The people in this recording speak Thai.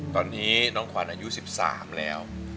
ตอนนี้น้องขวัญอายุ๑๓แล้ว